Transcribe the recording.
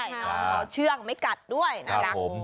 เขาเชื่องไม่กัดด้วยน่ารัก